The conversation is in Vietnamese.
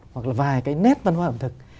hoặc là vài cái nét văn hóa ẩm thực